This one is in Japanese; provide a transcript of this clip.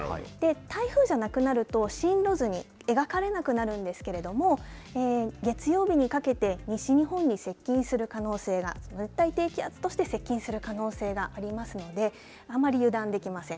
台風じゃなくなると進路図に描かれなくなるんですけれども月曜日にかけて西日本に接近する可能性が熱帯低気圧として接近する可能性がありますのであまり油断できません。